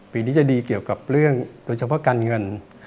ปีนี้จะดีเกี่ยวกับเรื่องโดยเฉพาะการเงิน